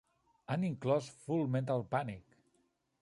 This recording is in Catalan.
Han inclòs Full Metal Panic!